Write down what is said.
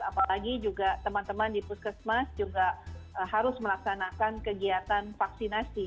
apalagi juga teman teman di puskesmas juga harus melaksanakan kegiatan vaksinasi